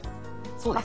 そうです。